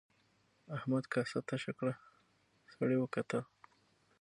احمد کاسه تشه کړه سړي وکتل.